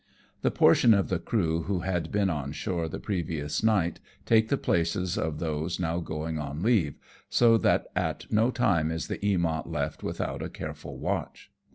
The portion of the crew who had been on shore the previous night take the places of those now going on leave, so that at no time is the Uamont left without a careful watch.